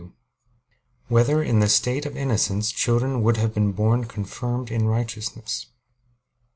2] Whether in the State of Innocence Children Would Have Been Born Confirmed in Righteousness?